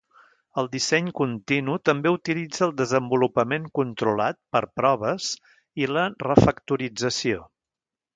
El disseny continu també utilitza el desenvolupament controlat per proves i la refactorització.